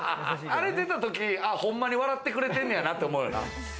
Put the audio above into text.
あれが出たとき、ほんまに笑ってくれてんやなって思うよな。